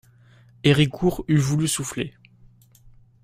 Héricourt eût voulu souffler.